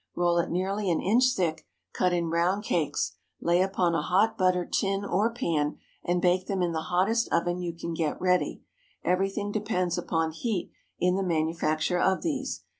Roll it nearly an inch thick, cut in round cakes, lay upon a hot buttered tin or pan, and bake them in the hottest oven you can get ready. Everything depends upon heat in the manufacture of these.